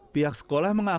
pihak sekolah mengakibatkan